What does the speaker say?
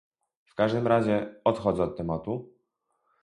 W każdym razie, odchodzę od tematu